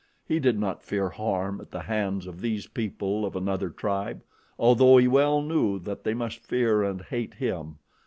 He did not fear harm at the hands of these people of another tribe, although he well knew that they must fear and hate him.